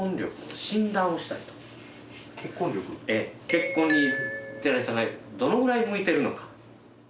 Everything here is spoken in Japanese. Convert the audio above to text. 結婚にテライさんがどのぐらい向いてるのか。